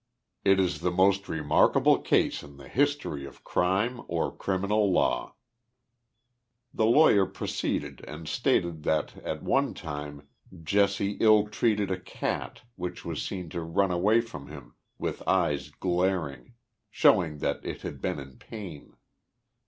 It is the most remarkable case in the history of crime, or criminal law." The lawyer proceeded and stated that at one time Jesse ill treated a cat, which was seen to run away from him, with eyes glaring, showing that it had been in pain.